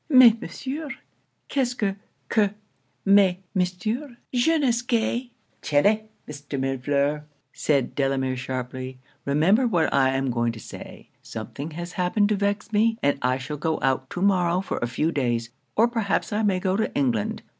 'Mais Monsieur c'est que que mais Monsieur, je ne scais!' 'Tenez, Mr. Millefleur!' said Delamere sharply 'Remember what I am going to say. Something has happened to vex me, and I shall go out to morrow for a few days, or perhaps I may go to England.